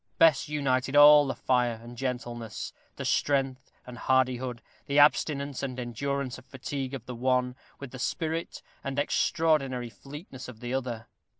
Bess united all the fire and gentleness, the strength and hardihood, the abstinence and endurance of fatigue of the one, with the spirit and extraordinary fleetness of the other.